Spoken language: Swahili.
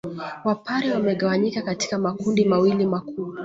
Wapare wamegawanyika katika makundi mawili makubwa